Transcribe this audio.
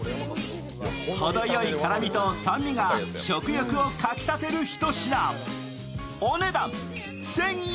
ほどよい辛みと酸味が食欲をかき立てる一品。